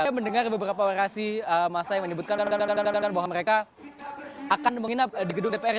saya mendengar beberapa orasi masa yang menyebutkan bahwa mereka akan menginap di gedung dpr